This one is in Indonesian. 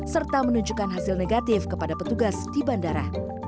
serta menunjukkan hasil negatif kepada petugas di bandara